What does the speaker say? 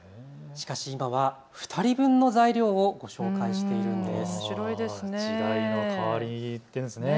しかし今は２人分の材料をご紹介しているんです。